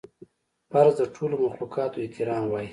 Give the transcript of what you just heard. فرض د ټولو مخلوقاتو احترام وای